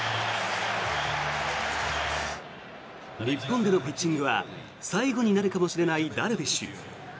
日本でのピッチングは最後になるかもしれないダルビッシュ。